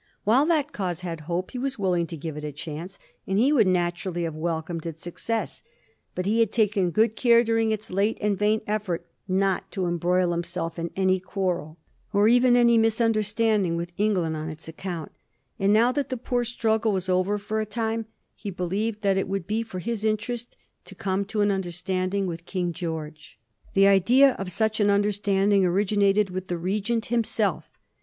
While that cause had hope he was willing to give it a chance, and he would naturally have welcomed its success ; but he had taken good care during its late and vain effort not to embroil him self in any quarrel, or even any misunderstanding, with England on its account ; and now that that poor straggle was over for the time, he believed that it would be for his interest to come to an understanding with King George. The idea of such an understanding originated with the Regent himself.